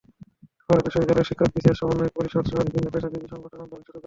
পরে বিশ্ববিদ্যালয়ের শিক্ষক, বিসিএস সমন্বয় পরিষদসহ বিভিন্ন পেশাজীবী সংগঠন আন্দোলন শুরু করে।